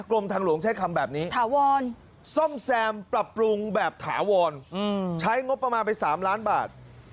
กรมทางหลวงใช้คำแบบนี้ถาวรซ่อมแซมปรับปรุงแบบถาวรใช้งบประมาณไป๓ล้านบาท